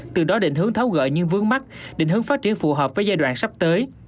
từ đó định hướng tháo gỡ những vướng mắt định hướng phát triển phù hợp với giai đoạn sắp tới